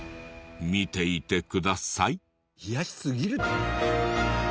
見ていてください。